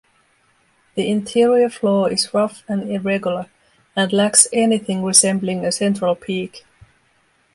The interior floor is rough and irregular, and lacks anything resembling a central peak.